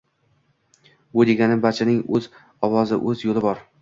Bu deganim – barchasining o‘z ovozi, o‘z yo‘li bor.